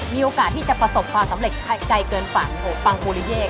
มีโอกาสที่จะประสบความสำเร็จไกลเกินฝั่งปังปูลิเย่